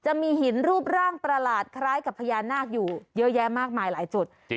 จะมีหินรูปร่างประหลาดคล้ายกับพญานาคอยู่เยอะแยะมากมายหลายจุด